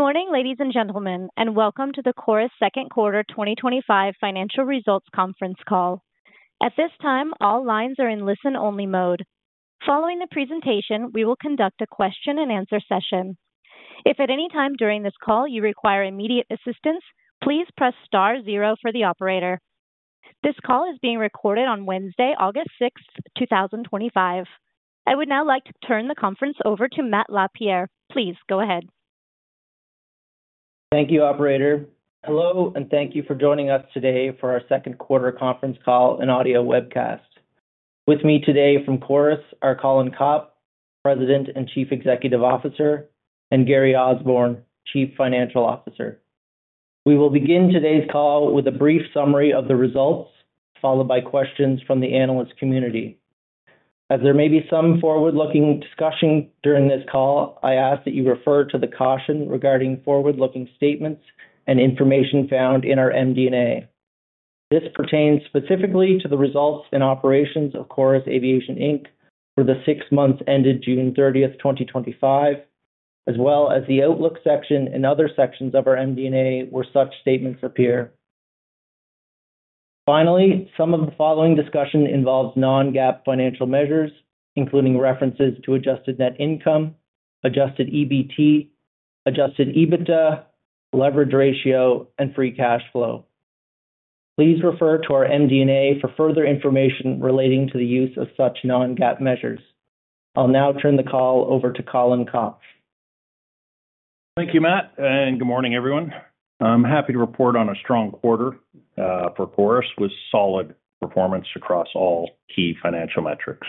Good morning, ladies and gentlemen, and welcome to the Chorus Second Quarter 2025 Financial Results conference call. At this time, all lines are in listen-only mode. Following the presentation, we will conduct a question and answer session. If at any time during this call you require immediate assistance, please press star zero for the operator. This call is being recorded on Wednesday, August 6th, 2025. I would now like to turn the conference over to Matt LaPierre. Please go ahead. Thank you, operator. Hello, and thank you for joining us today for our second quarter conference call and audio webcast. With me today from Chorus are Colin Copp, President and Chief Executive Officer, and Gary Osborne, Chief Financial Officer. We will begin today's call with a brief summary of the results, followed by questions from the analyst community. As there may be some forward-looking discussion during this call, I ask that you refer to the caution regarding forward-looking statements and information found in our MD&A. This pertains specifically to the results and operations of Chorus Aviation Inc for the six months ended June 30th, 2025, as well as the outlook section and other sections of our MD&A where such statements appear. Finally, some of the following discussion involves non-GAAP financial measures, including references to adjusted net income, adjusted EBITDA, leverage ratio, and free cash flow. Please refer to our MD&A for further information relating to the use of such non-GAAP measures. I'll now turn the call over to Colin Copp. Thank you, Matt, and good morning, everyone. I'm happy to report on a strong quarter for Chorus with solid performance across all key financial metrics.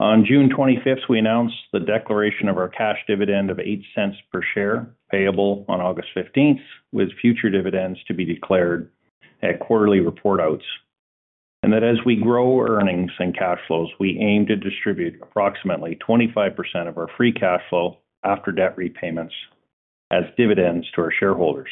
On June 25th, we announced the declaration of our cash dividend of 0.08 per share payable on August 15th, with future dividends to be declared at quarterly report outs. As we grow earnings and cash flows, we aim to distribute approximately 25% of our free cash flow after debt repayments as dividends to our shareholders.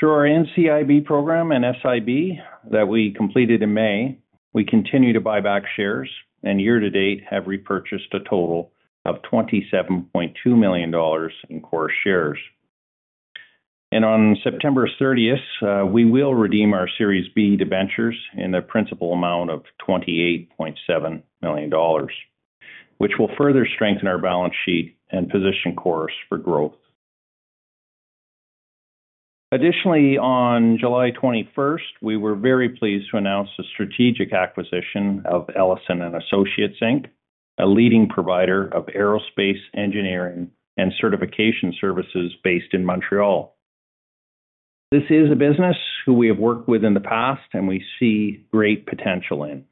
Through our NCIB program and SIB that we completed in May, we continue to buy back shares and year-to-date have repurchased a total of 27.2 million dollars in Chorus shares. On September 30, we will redeem our Series B Debentures in a principal amount of 28.7 million dollars, which will further strengthen our balance sheet and position Chorus for growth. Additionally, on July 21st, we were very pleased to announce the strategic acquisition of Elisen & Associates Inc, a leading provider of aerospace engineering and certification services based in Montréal. This is a business we have worked with in the past and we see great potential in.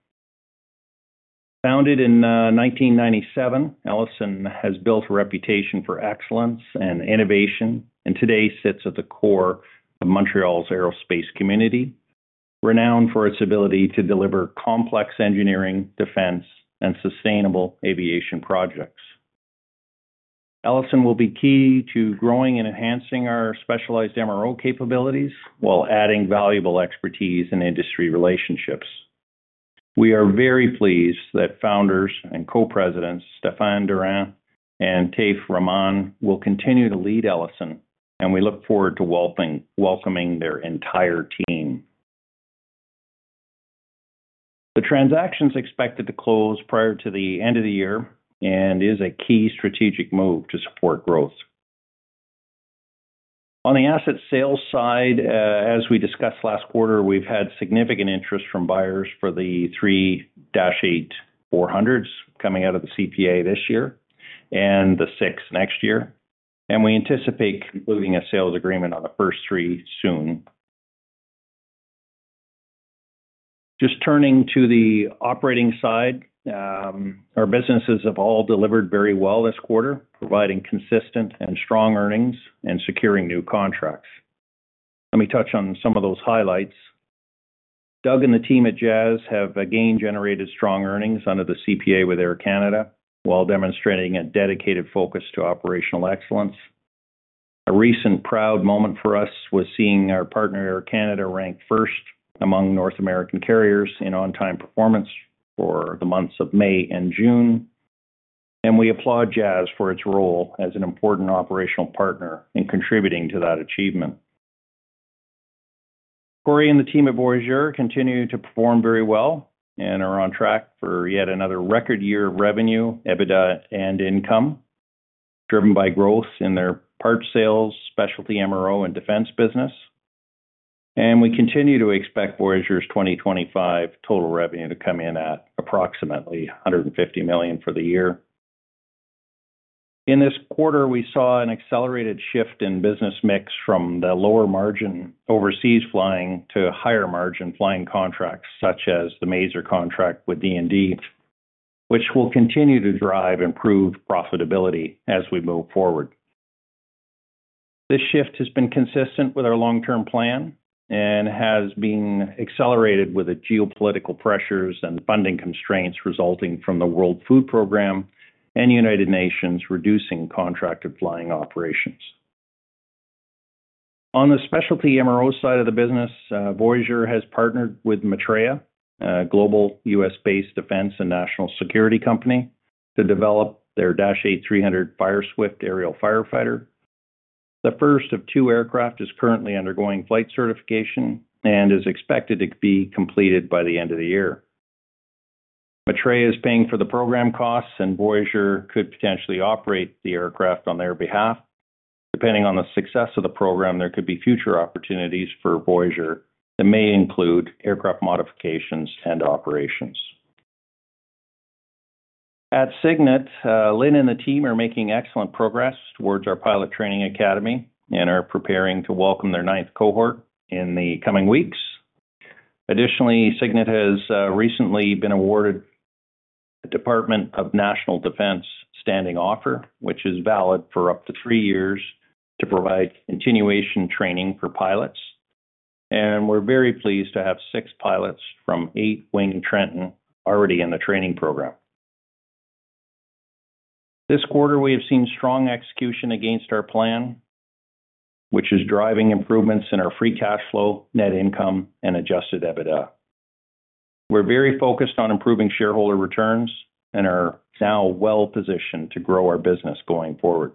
Founded in 1997, Elisen has built a reputation for excellence and innovation and today sits at the core of Montréal's aerospace community, renowned for its ability to deliver complex engineering, defense, and sustainable aviation projects. Elisen will be key to growing and enhancing our specialized MRO capabilities while adding valuable expertise and industry relationships. We are very pleased that founders and Co-Presidents, Stephane Durand and Taif Rahman, will continue to lead Elisen, and we look forward to welcoming their entire team. The transaction is expected to close prior to the end of the year and is a key strategic move to support growth. On the asset sales side, as we discussed last quarter, we've had significant interest from buyers for the three Dash 8-400s coming out of the CPA this year and the six next year, and we anticipate moving a sales agreement on the first three soon. Just turning to the operating side, our businesses have all delivered very well this quarter, providing consistent and strong earnings and securing new contracts. Let me touch on some of those highlights. Doug and the team at Jazz have again generated strong earnings under the CPA with Air Canada while demonstrating a dedicated focus to operational excellence. A recent proud moment for us was seeing our partner, Air Canada, ranked first among North American carriers in on-time performance for the months of May and June, and we applaud Jazz for its role as an important operational partner in contributing to that achievement. Corey and the team at Voyageur continue to perform very well and are on track for yet another record year of revenue, EBITDA, and income, driven by growth in their parts sales, specialty MRO, and defense business. We continue to expect Voyageur's 2025 total revenue to come in at approximately 150 million for the year. In this quarter, we saw an accelerated shift in business mix from the lower margin overseas flying to higher margin flying contracts, such as the MAISR contract with DND, which will continue to drive improved profitability as we move forward. This shift has been consistent with our long-term plan and has been accelerated with geopolitical pressures and funding constraints resulting from the World Food Programme and United Nations reducing contracted flying operations. On the specialty MRO side of the business, Voyageur has partnered with Metrea, a global U.S.-based defense and national security company, to develop their Dash 8-300 Fireswift aerial firefighter. The first of two aircraft is currently undergoing flight certification and is expected to be completed by the end of the year. Metrea is paying for the program costs, and Voyageur could potentially operate the aircraft on their behalf. Depending on the success of the program, there could be future opportunities for Voyageur that may include aircraft modifications and operations. At Cygnet, Lynn and the team are making excellent progress towards our pilot training academy and are preparing to welcome their ninth cohort in the coming weeks. Additionally, Cygnet has recently been awarded the Department of National Defense standing offer, which is valid for up to three years to provide continuation training for pilots. We're very pleased to have six pilots from 8 Wing Trenton already in the training program. This quarter, we have seen strong execution against our plan, which is driving improvements in our free cash flow, net income, and adjusted EBITDA. We're very focused on improving shareholder returns and are now well positioned to grow our business going forward.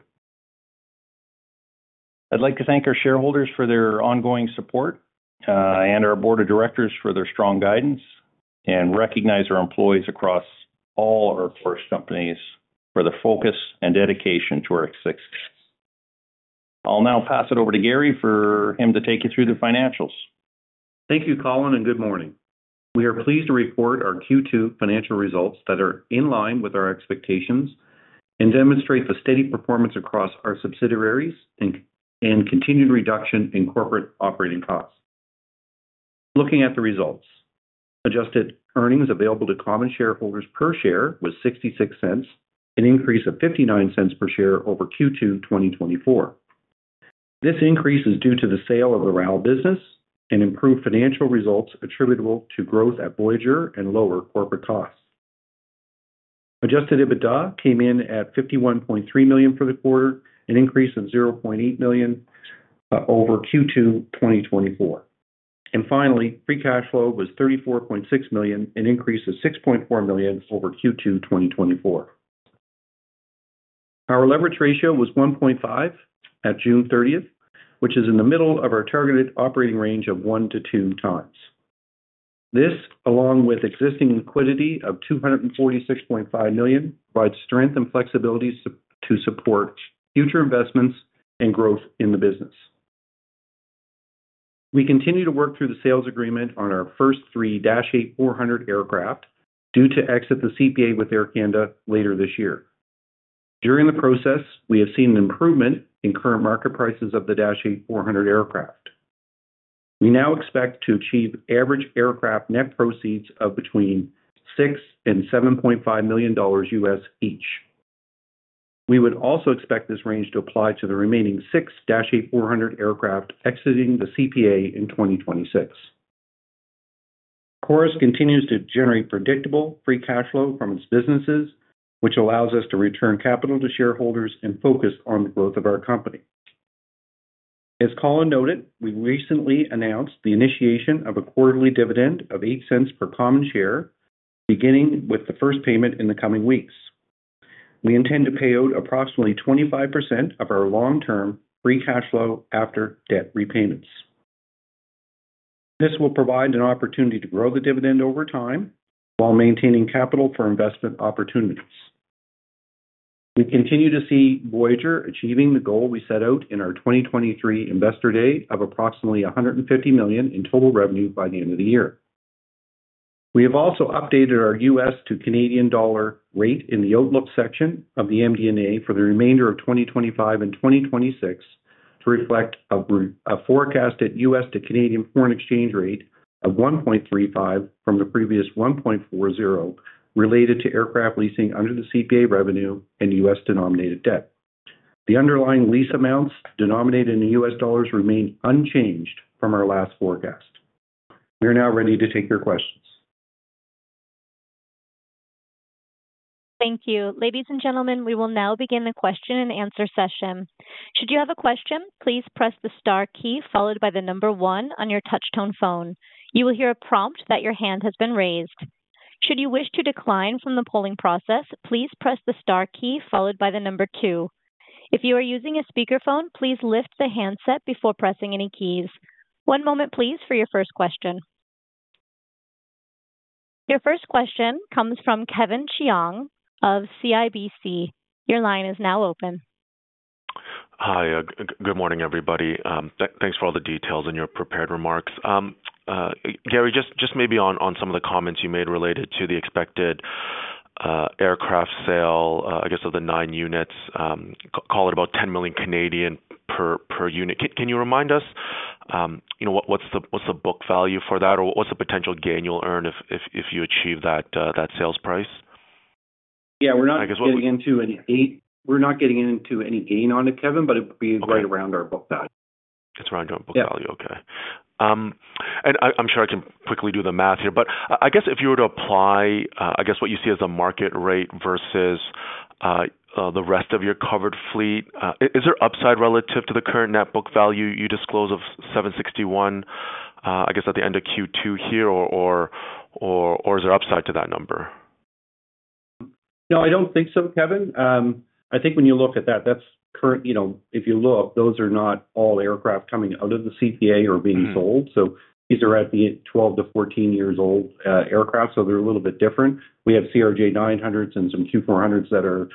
I'd like to thank our shareholders for their ongoing support, our Board of Directors for their strong guidance, and recognize our employees across all our Chorus companies for their focus and dedication to our success. I'll now pass it over to Gary for him to take you through the financials. Thank you, Colin, and good morning. We are pleased to report our Q2 financial results that are in line with our expectations and demonstrate the steady performance across our subsidiaries and continued reduction in corporate operating costs. Looking at the results, adjusted earnings available to common shareholders per share was 0.66, an increase of 0.59 per share over Q2 2024. This increase is due to the sale of the RAL business and improved financial results attributable to growth at Voyageur and lower corporate costs. Adjusted EBITDA came in at 51.3 million for the quarter, an increase of 0.8 million over Q2 2024. Finally, free cash flow was 34.6 million, an increase of 6.4 million over Q2 2024. Our leverage ratio was 1.5 at June 30th, which is in the middle of our targeted operating range of 1-2 times. This, along with existing liquidity of 246.5 million, provides strength and flexibility to support future investments and growth in the business. We continue to work through the sales agreement on our first three Dash 8-400 aircraft due to exit the CPA with Air Canada later this year. During the process, we have seen an improvement in current market prices of the Dash 8-400 aircraft. We now expect to achieve average aircraft net proceeds of between $6 million and $7.5 million each. We would also expect this range to apply to the remaining six Dash 8-400 aircraft exiting the CPA in 2026. Chorus continues to generate predictable free cash flow from its businesses, which allows us to return capital to shareholders and focus on the growth of our company. As Colin noted, we recently announced the initiation of a quarterly dividend of 0.08 per common share, beginning with the first payment in the coming weeks. We intend to pay out approximately 25% of our long-term free cash flow after debt repayments. This will provide an opportunity to grow the dividend over time while maintaining capital for investment opportunities. We continue to see Voyageur achieving the goal we set out in our 2023 Investor Day of approximately 150 million in total revenue by the end of the year. We have also updated our U.S. to Canadian dollar rate in the outlook section of the MD&A for the remainder of 2025 and 2026 to reflect a forecasted U.S. to Canadian foreign exchange rate of 1.35 from the previous 1.40 related to aircraft leasing under the CPA revenue and U.S. denominated debt. The underlying lease amounts denominated in U.S. dollars remain unchanged from our last forecast. We are now ready to take your questions. Thank you, ladies and gentlemen. We will now begin the question and answer session. Should you have a question, please press the star key followed by the number one on your touchtone phone. You will hear a prompt that your hand has been raised. Should you wish to decline from the polling process, please press the star key followed by the number two. If you are using a speakerphone, please lift the handset before pressing any keys. One moment, please, for your first question. Your first question comes from Kevin Chiang of CIBC. Your line is now open. Hi, good morning, everybody. Thanks for all the details and your prepared remarks. Gary, just maybe on some of the comments you made related to the expected aircraft sale, I guess of the nine units, call it about 10 million per unit. Can you remind us, you know, what's the book value for that or what's the potential gain you'll earn if you achieve that sales price? Yeah, we're not getting into any gain on it, Kevin, but it'd be right around our book value. It's around your book value. Okay. I'm sure I can quickly do the math here, but if you were to apply what you see as a market rate versus the rest of your covered fleet, is there upside relative to the current net book value you disclose of 761 million at the end of Q2 here, or is there upside to that number? No, I don't think so, Kevin. I think when you look at that, that's current. If you look, those are not all aircraft coming out of the CPA or being sold. These are at the 12-14 years old aircraft, so they're a little bit different. We have CRJ900s and some Q400s that are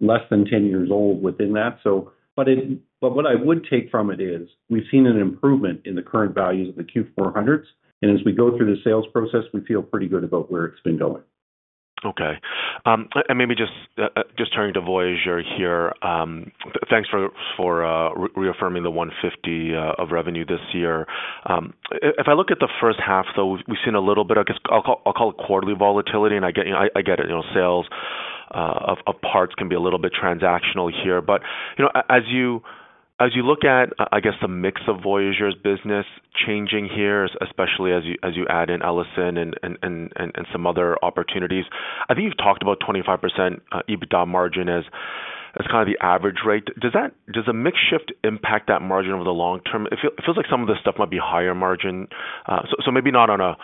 less than 10 years old within that. What I would take from it is we've seen an improvement in the current values of the Q400s, and as we go through the sales process, we feel pretty good about where it's been going. Okay. Maybe just turning to Voyageur here, thanks for reaffirming the 150 million of revenue this year. If I look at the first half, though, we've seen a little bit, I guess I'll call it quarterly volatility. I get it, sales of parts can be a little bit transactional here. As you look at, I guess, the mix of Voyageur's business changing here, especially as you add in Elisen and some other opportunities, I think you've talked about 25% EBITDA margin as kind of the average rate. Does a mix shift impact that margin over the long term? It feels like some of the stuff might be higher margin. Maybe not on a,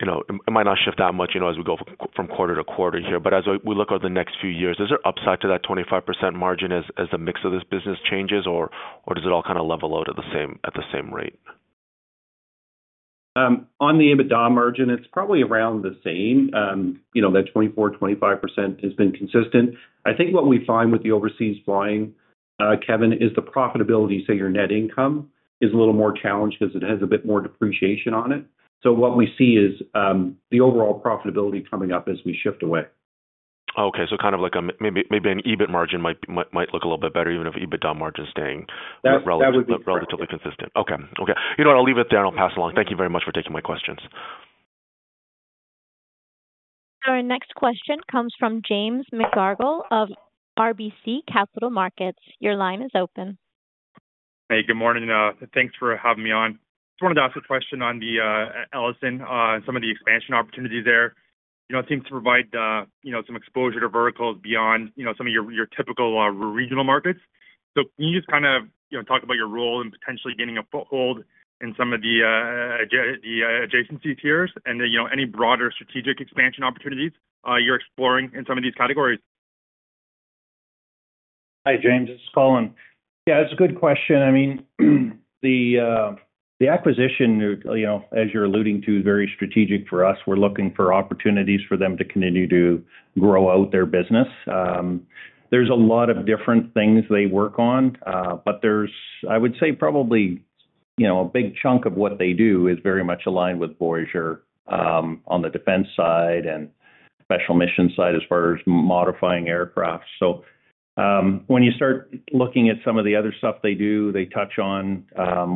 you know, it might not shift that much as we go from quarter to quarter here. As we look over the next few years, is there upside to that 25% margin as the mix of this business changes or does it all kind of level out at the same rate? On the EBITDA margin, it's probably around the same. You know, that 24%, 25% has been consistent. I think what we find with the overseas flying, Kevin, is the profitability, say your net income, is a little more challenged because it has a bit more depreciation on it. What we see is the overall profitability coming up as we shift away. Okay, so kind of like maybe an EBIT margin might look a little bit better even if EBITDA margin is staying relatively consistent. Okay. You know what, I'll leave it there. I'll pass it along. Thank you very much for taking my questions. Our next question comes from James McGarragle of RBC Capital Markets. Your line is open. Hey, good morning. Thanks for having me on. I just wanted to ask a question on the Elisen, some of the expansion opportunities there. It seems to provide some exposure to verticals beyond some of your typical regional markets. Can you just kind of talk about your role and potentially gaining a foothold in some of the adjacencies here and any broader strategic expansion opportunities you're exploring in some of these categories? Hi James, it's Colin. Yeah, it's a good question. I mean, the acquisition, as you're alluding to, is very strategic for us. We're looking for opportunities for them to continue to grow out their business. There's a lot of different things they work on. I would say probably a big chunk of what they do is very much aligned with Voyageur on the defense side and special mission side as far as modifying aircraft. When you start looking at some of the other stuff they do, they touch on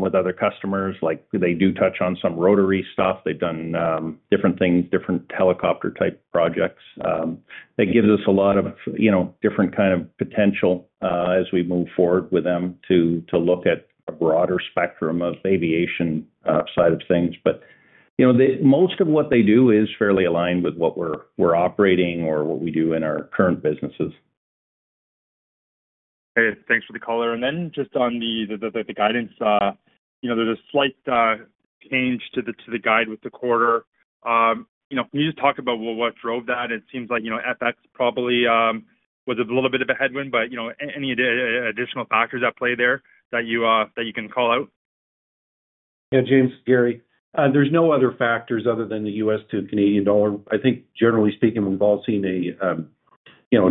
with other customers, like they do touch on some rotary stuff. They've done different things, different helicopter type projects. It gives us a lot of different kind of potential as we move forward with them to look at a broader spectrum of aviation side of things. Most of what they do is fairly aligned with what we're operating or what we do in our current businesses. Thanks for the call there. Just on the guidance, there's a slight change to the guide with the quarter. Can you just talk about what drove that? It seems like FX probably was a little bit of a headwind, but any additional factors at play there that you can call out? Yeah, Gary, there's no other factors other than the U.S. to Canadian dollar. I think generally speaking, we've all seen a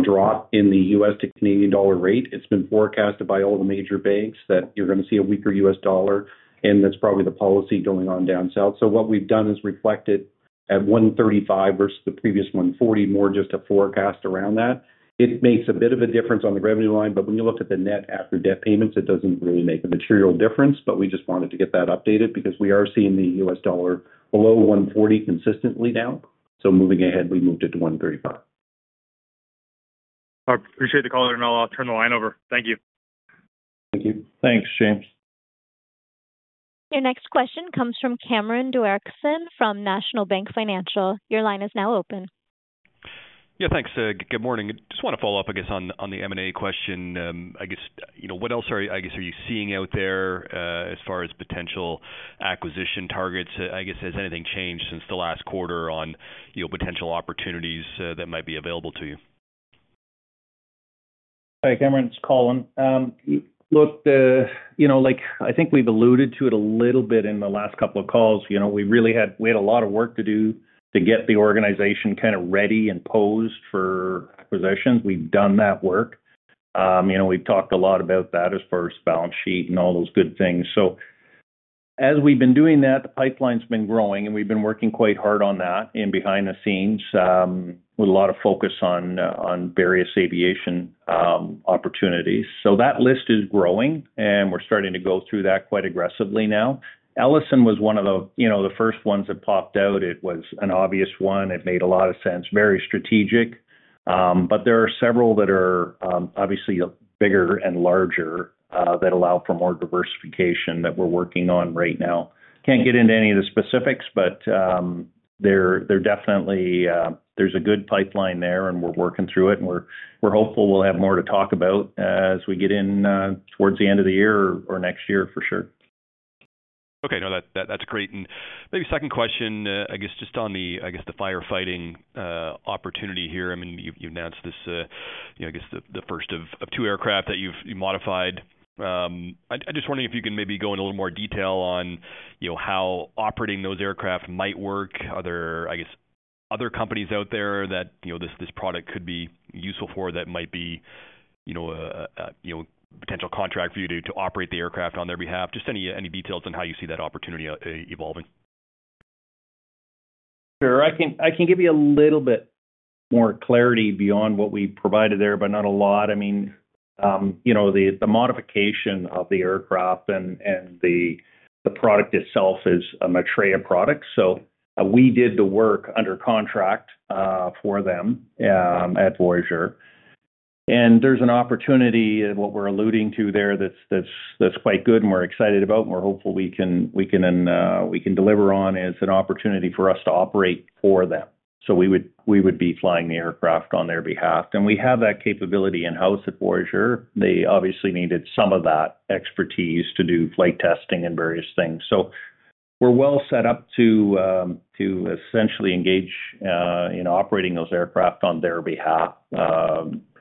drop in the U.S. to Canadian dollar rate. It's been forecasted by all the major banks that you're going to see a weaker U.S. dollar, and that's probably the policy going on down south. What we've done is reflect it at 1.35 versus the previous 1.40, more just a forecast around that. It makes a bit of a difference on the revenue line, but when you look at the net after debt payments, it doesn't really make a material difference. We just wanted to get that updated because we are seeing the U.S. dollar below 1.40 consistently now. Moving ahead, we moved it to 1.35. Appreciate the call there, Matt. I'll turn the line over. Thank you. Thank you. Thanks, Gary. Your next question comes from Cameron Doerksen from National Bank Financial. Your line is now open. Yeah, thanks. Good morning. I just want to follow up on the M&A question. What else are you seeing out there as far as potential acquisition targets? Has anything changed since the last quarter on potential opportunities that might be available to you? Hi, Cameron, it's Colin. I think we've alluded to it a little bit in the last couple of calls. We really had a lot of work to do to get the organization kind of ready and poised for acquisitions. We've done that work. We've talked a lot about that as far as balance sheet and all those good things. As we've been doing that, the pipeline's been growing and we've been working quite hard on that behind the scenes with a lot of focus on various aviation opportunities. That list is growing and we're starting to go through that quite aggressively now. Elisen was one of the first ones that popped out. It was an obvious one. It made a lot of sense, very strategic. There are several that are obviously bigger and larger that allow for more diversification that we're working on right now. I can't get into any of the specifics, but there definitely is a good pipeline there and we're working through it and we're hopeful we'll have more to talk about as we get in towards the end of the year or next year for sure. Okay, no, that's great. Maybe second question, just on the firefighting opportunity here. I mean, you've announced the first of two aircraft that you've modified. I'm just wondering if you can maybe go in a little more detail on how operating those aircraft might work. Are there other companies out there that this product could be useful for that might be a potential contract for you to operate the aircraft on their behalf? Any details on how you see that opportunity evolving? Sure, I can give you a little bit more clarity beyond what we provided there, but not a lot. I mean, you know, the modification of the aircraft and the product itself is a Metrea product. We did the work under contract for them at Voyageur. There's an opportunity, what we're alluding to there, that's quite good and we're excited about and we're hopeful we can deliver on as an opportunity for us to operate for them. We would be flying the aircraft on their behalf. We have that capability in-house at Voyageur. They obviously needed some of that expertise to do flight testing and various things. We're well set up to essentially engage in operating those aircraft on their behalf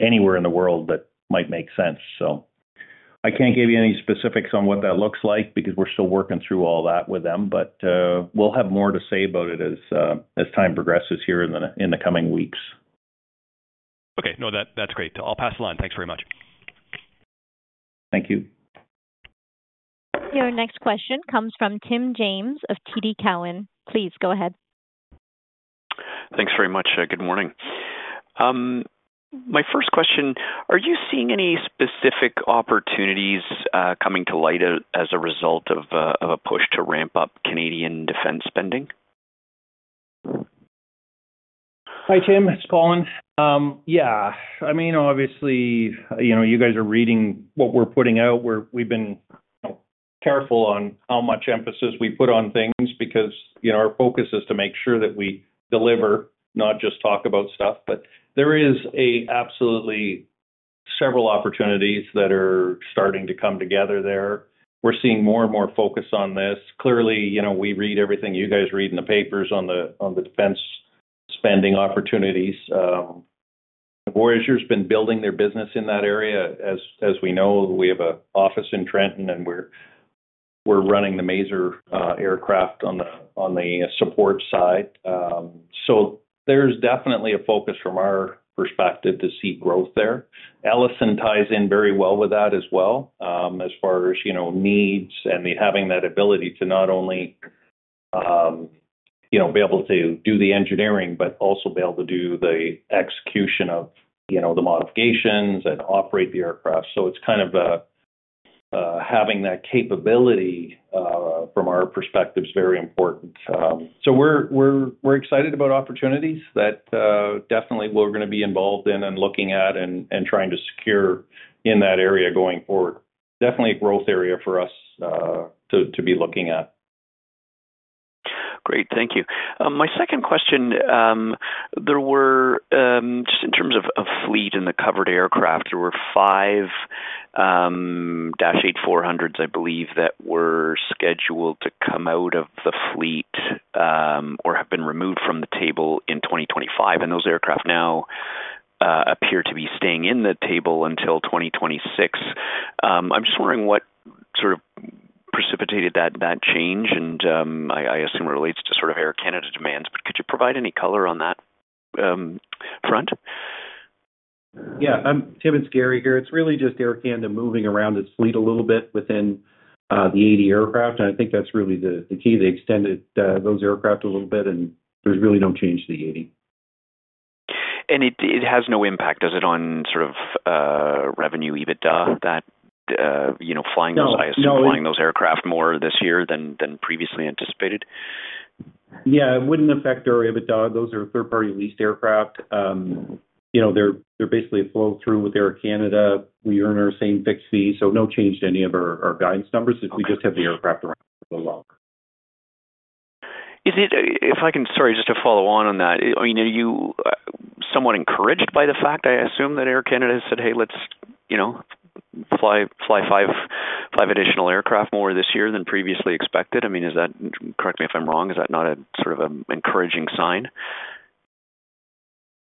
anywhere in the world that might make sense. I can't give you any specifics on what that looks like because we're still working through all that with them, but we'll have more to say about it as time progresses here in the coming weeks. Okay, no, that's great. I'll pass the line. Thanks very much. Thank you. Your next question comes from Tim James of TD Cowen. Please go ahead. Thanks very much. Good morning. My first question, are you seeing any specific opportunities coming to light as a result of a push to ramp up Canadian defense spending? Hi Tim, it's Colin. Yeah, I mean, obviously, you know, you guys are reading what we're putting out. We've been careful on how much emphasis we put on things because, you know, our focus is to make sure that we deliver, not just talk about stuff. There are absolutely several opportunities that are starting to come together there. We're seeing more and more focus on this. Clearly, you know, we read everything you guys read in the papers on the defense spending opportunities. Voyageur's been building their business in that area. As we know, we have an office in Trenton and we're running the MAISR aircraft on the support side. There's definitely a focus from our perspective to see growth there. Elisen ties in very well with that as well as far as, you know, needs and having that ability to not only, you know, be able to do the engineering, but also be able to do the execution of, you know, the modifications and operate the aircraft. It's kind of having that capability from our perspective is very important. We're excited about opportunities that definitely we're going to be involved in and looking at and trying to secure in that area going forward. Definitely a growth area for us to be looking at. Great, thank you. My second question, just in terms of fleet and the covered aircraft, there were five Dash 8-400s, I believe, that were scheduled to come out of the fleet or have been removed from the table in 2025. Those aircraft now appear to be staying in the table until 2026. I'm just wondering what sort of precipitated that change, and I assume it relates to Air Canada demands, but could you provide any color on that front? Yeah, Tim, it's Gary here. It's really just Air Canada moving around its fleet a little bit within the 80 aircraft. I think that's really the key, they extended those aircraft a little bit, and there's really no change to the 80. It has no impact, does it, on sort of revenue, EBITDA, that, you know, flying those aircraft more this year than previously anticipated? Yeah, it wouldn't affect our EBITDA. Those are third-party leased aircraft. You know, they're basically a flow-through with Air Canada. We earn our same fixed fee, so no change to any of our guidance numbers since we just have the aircraft around the lock. If I can, just to follow on that, are you somewhat encouraged by the fact I assume that Air Canada said, "Hey, let's, you know, fly five additional aircraft more this year than previously expected"? I mean, is that, correct me if I'm wrong, is that not a sort of an encouraging sign?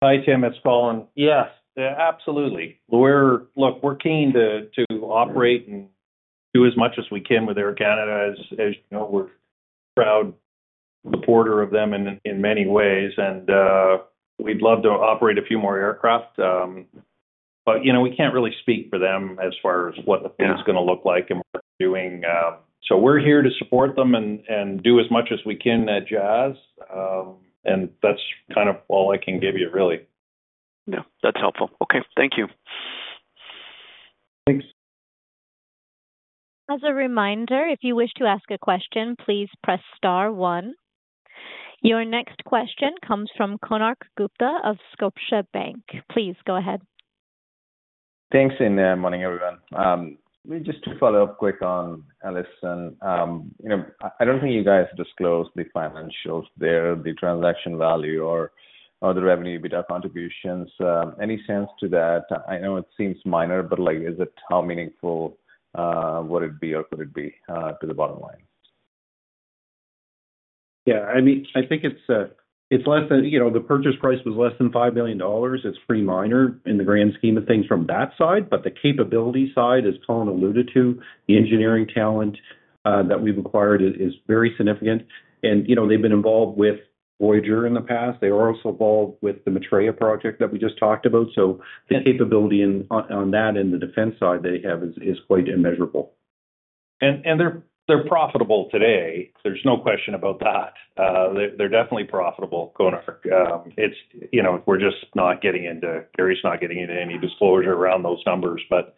Hi Tim, it's Colin. Yes, absolutely. Look, we're keen to operate and do as much as we can with Air Canada. As you know, we're proud supporters of them in many ways, and we'd love to operate a few more aircraft. You know, we can't really speak for them as far as what the fleet's going to look like and what we're doing. We're here to support them and do as much as we can at Jazz. That's kind of all I can give you really. Yeah, that's helpful. Okay, thank you. Thanks. As a reminder, if you wish to ask a question, please press star one. Your next question comes from Konark Gupta of Scotiabank. Please go ahead. Thanks and morning everyone. Let me just follow up quick on Elisen. I don't think you guys disclosed the financials there, the transaction value or the revenue EBITDA contributions. Any sense to that? I know it seems minor, but like is it how meaningful would it be or could it be to the bottom line? Yeah, I mean, I think it's less than, you know, the purchase price was less than 5 million dollars. It's pretty minor in the grand scheme of things from that side, but the capability side, as Colin alluded to, the engineering talent that we've acquired is very significant. You know, they've been involved with Voyageur in the past. They were also involved with the Metrea project that we just talked about. The capability on that and the defense side they have is quite immeasurable. They're profitable today. There's no question about that. They're definitely profitable, Konark. It's, you know, we're just not getting into, Gary's not getting into any disclosure around those numbers, but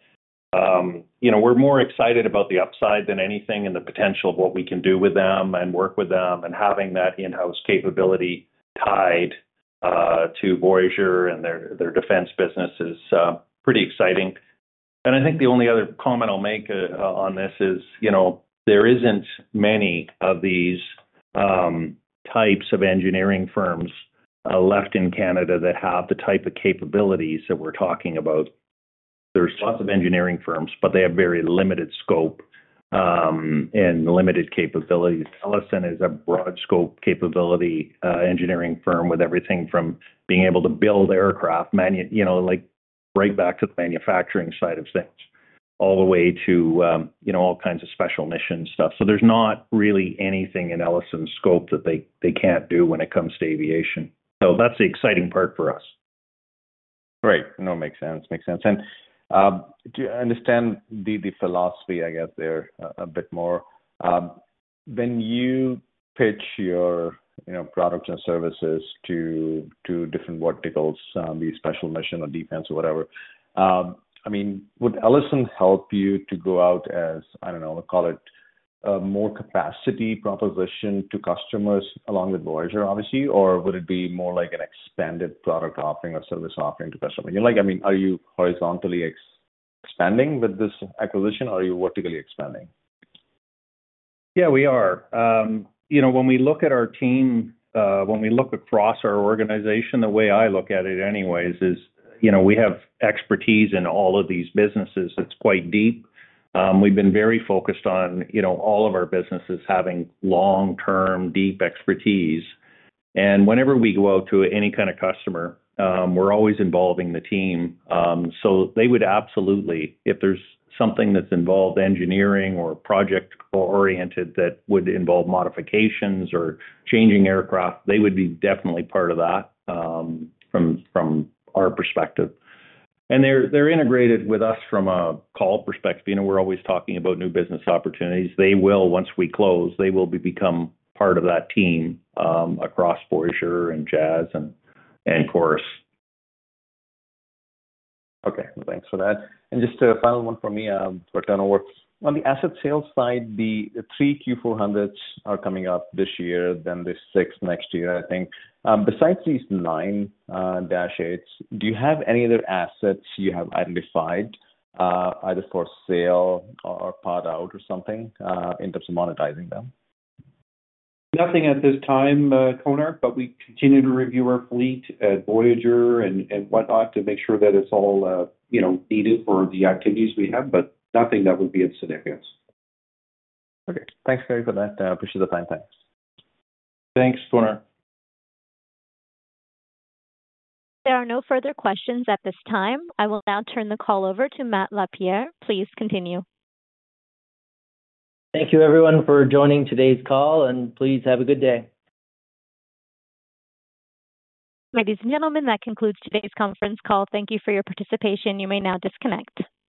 we're more excited about the upside than anything and the potential of what we can do with them and work with them and having that in-house capability tied to Voyageur and their defense business is pretty exciting. I think the only other comment I'll make on this is, you know, there aren't many of these types of engineering firms left in Canada that have the type of capabilities that we're talking about. There are lots of engineering firms, but they have very limited scope and limited capabilities. Elisen is a broad-scope capability engineering firm with everything from being able to build aircraft, you know, like right back to the manufacturing side of things, all the way to all kinds of special mission stuff. There's not really anything in Elisen's scope that they can't do when it comes to aviation. That's the exciting part for us. Right. No, it makes sense. Makes sense. To understand the philosophy, I guess, there a bit more, when you pitch your products and services to different verticals, be it special mission or defense or whatever, I mean, would Elisen help you to go out as, I don't know, call it a more capacity proposition to customers along with Voyageur, obviously, or would it be more like an expanded product offering or service offering to customers? You know, like, I mean, are you horizontally expanding with this acquisition or are you vertically expanding? Yeah, we are. You know, when we look at our team, when we look across our organization, the way I look at it anyways is, you know, we have expertise in all of these businesses. It's quite deep. We've been very focused on all of our businesses having long-term deep expertise. Whenever we go out to any kind of customer, we're always involving the team. They would absolutely, if there's something that's involved engineering or project-oriented that would involve modifications or changing aircraft, they would be definitely part of that from our perspective. They're integrated with us from a call perspective. You know, we're always talking about new business opportunities. They will, once we close, become part of that team across Voyageur and Jazz and Chorus. Okay, thanks for that. Just a final one from me, it kind of works. On the asset sales side, the three Q400s are coming up this year, then the six next year, I think. Besides these nine Dash 8s, do you have any other assets you have identified either for sale or part out or something in terms of monetizing them? Nothing at this time, Konark, we continue to review our fleet at Voyageur and whatnot to make sure that it's all, you know, needed for the activities we have, but nothing that would be of significance. Okay, thanks Gary for that. I appreciate the time. Thanks. Thanks, Konark. There are no further questions at this time. I will now turn the call over to Matt LaPierre. Please continue. Thank you everyone for joining today's call, and please have a good day. Ladies and gentlemen, that concludes today's conference call. Thank you for your participation. You may now disconnect.